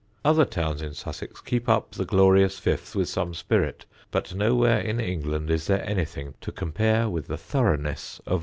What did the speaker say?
Other towns in Sussex keep up the glorious Fifth with some spirit, but nowhere in England is there anything to compare with the thoroughness of Lewes.